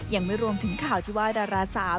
ยังไม่รวมถึงข่าวที่ว่าดาราสาว